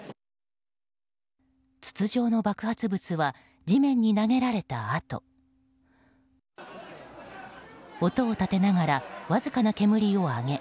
筒状の爆発物は地面に投げられたあと音を立てながらわずかな煙を上げ